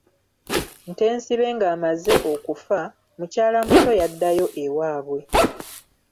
Ntensibe ng'amaze okufa, mukyala muto, yaddayo ewaabwe.